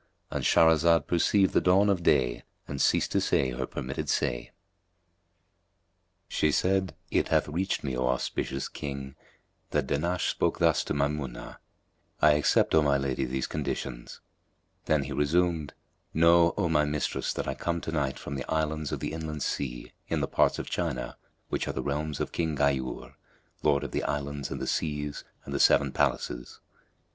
"—And Shahrazad perceived the dawn of day and ceased to say her permitted say. When it was the One Hundred and Seventy eight Night, She said, It hath reached me, O auspicious King, that Dahnash spoke thus to Maymunah, "I accept, O my lady, these conditions." Then he resumed, "Know, O my mistress, that I come to night from the Islands of the Inland Sea in the parts of China, which are the realms of King Ghayúr, lord of the Islands and the Seas and the Seven Palaces.